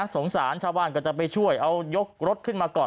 สงสารชาวบ้านก็จะไปช่วยเอายกรถขึ้นมาก่อน